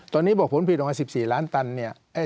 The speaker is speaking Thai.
ตอนนี้บอกผลผิดออกมา๑๔ล้านตันเนี่ย